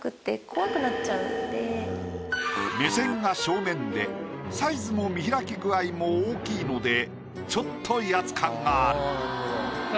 目線が正面でサイズも見開き具合も大きいのでちょっと威圧感がある。